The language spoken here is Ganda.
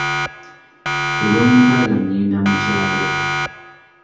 Ku lwomukaaga ngenda mu kyalo.